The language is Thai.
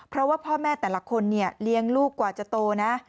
เพราะว่าพ่อแม่แต่ละคนเนี่ยเลี้ยงลูกกว่าจะโตนะ